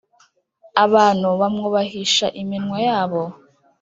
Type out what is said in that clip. abantu bamwubahisha iminwa yabo